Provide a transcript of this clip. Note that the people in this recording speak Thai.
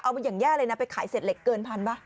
เอามาอย่างแย่เลยนะไปขายเสร็จเหล็กเกินพันบะ